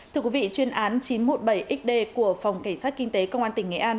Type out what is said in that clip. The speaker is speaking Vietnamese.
thưa quý vị chuyên án chín trăm một mươi bảy x của phòng cảnh sát kinh tế công an tỉnh nghệ an